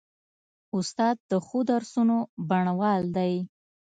استاد د ښو درسونو بڼوال دی.